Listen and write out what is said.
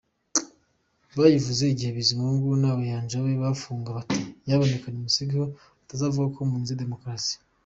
Bayivuze igihe Bizimungu n’Abayanja be bafungwa bati ‘Nyamuneka’ nimusigeho batazavuga ko munize demokarasi.